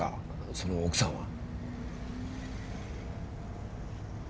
その奥さんは。